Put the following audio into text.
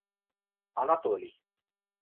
Анатолий